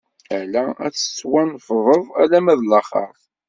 Ala, ad d-tettwanefḍeḍ alamma d laxeṛt!